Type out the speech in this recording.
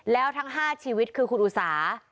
แล้วทั้ง๕ชีวิตคือคุณอุสา